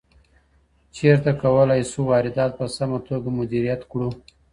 چیرته کولای سو واردات په سمه توګه مدیریت کړو؟